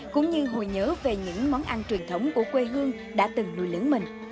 cũng như hồi nhớ về những món ăn truyền thống của quê hương đã từng nuôi lưỡng mình